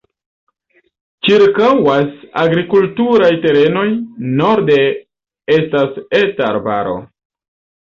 Ĉirkaŭas agrikulturaj terenoj, norde estas eta arbaro.